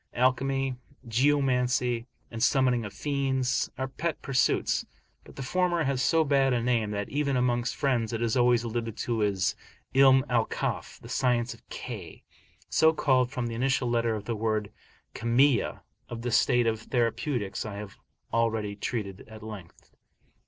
Alchemy, geomancy, and summoning of fiends, are pet pursuits; but the former has so bad a name, that even amongst friends it is always alluded to as 'Ilm al Kaf, the "science of K," so called from the initial letter of the word "Kimiya." Of the state of therapeutics I have already treated at length.